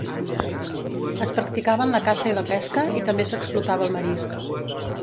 Es practicaven la caça i la pesca i també s'explotava el marisc.